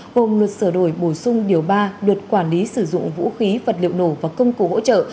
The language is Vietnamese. gồm luật sửa đổi bổ sung điều ba luật quản lý sử dụng vũ khí vật liệu nổ và công cụ hỗ trợ